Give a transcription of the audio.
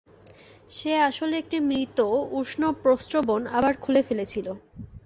সে আসলে একটি মৃত উষ্ণপ্রস্রবণ আবার খুলে ফেলেছিল।